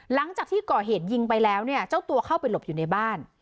หลังจากที่ก่อเหตุยิงไปแล้วเนี่ยเจ้าตัวเข้าไปหลบอยู่ในบ้าน